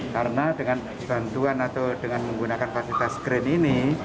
karena dengan bantuan atau dengan menggunakan fasilitas krain ini